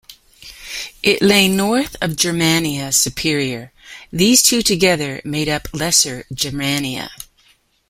It lay north of Germania Superior; these two together made up Lesser Germania.